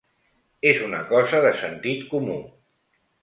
És una cosa de sentit comú.